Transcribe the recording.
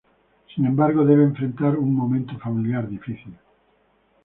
Sin embargo, debe enfrentar un momento familiar difícil.